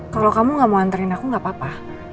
kalau kamu gak mau anterin aku gak apa apa